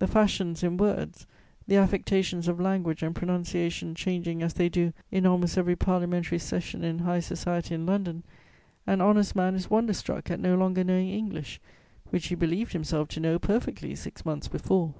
The fashions in words, the affectations of language and pronunciation changing, as they do, in almost every parliamentary session in high society in London, an honest man is wonder struck at no longer knowing English, which he believed himself to know perfectly six months before.